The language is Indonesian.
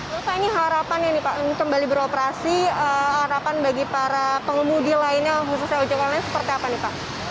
lalu pak ini harapan ya nih pak kembali beroperasi harapan bagi para pengumum di lainnya khususnya ujung ujung lainnya seperti apa nih pak